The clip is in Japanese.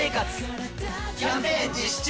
キャンペーン実施中！